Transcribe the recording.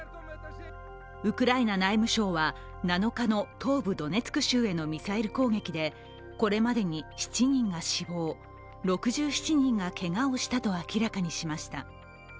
ウクライナ内務省は、７日の東部ドネツク州へのミサイル攻撃でこれまでに７人が死亡６７人がけがをしたと明らかにしました。